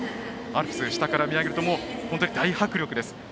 アルプスを下から見上げると本当に大迫力です。